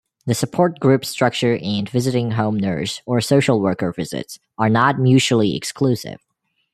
The support-group structure and visiting home nurse or social-worker visits are not mutually exclusive.